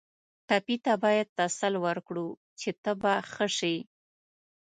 ټپي ته باید تسل ورکړو چې ته به ښه شې.